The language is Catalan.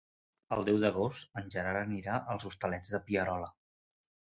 El deu d'agost en Gerard anirà als Hostalets de Pierola.